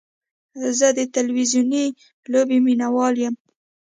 زه د تلویزیوني لوبې مینهوال یم.